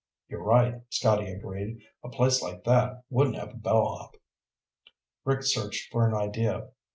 "You're right," Scotty agreed. "A place like that wouldn't have a bellhop." Rick searched for an idea.